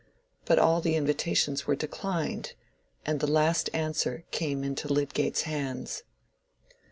But all the invitations were declined, and the last answer came into Lydgate's hands.